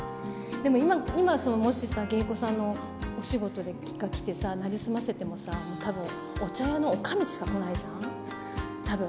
でも今、もし芸妓さんのお仕事が来てさ、成り済ませてもさぁ、たぶん、お茶屋のおかみしか来ないじゃん、たぶん。